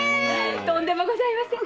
とんでもございません。